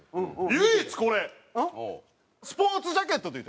唯一これスポーツジャケットっていってね